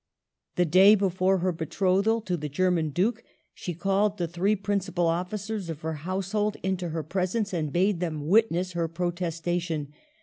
The day before her betrothal to the German Duke she called the three prin cipal officers of her household into her presence and bade them witness her protestation.